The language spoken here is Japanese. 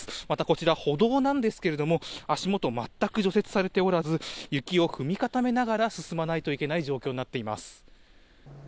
またこちら、歩道なんですけれども、足元、全く除雪されておらず、雪を踏み固めながら進まないといけない状況になっています。